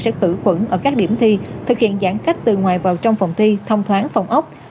sẽ khử khuẩn ở các điểm thi thực hiện giãn cách từ ngoài vào trong phòng thi thông thoáng phòng ốc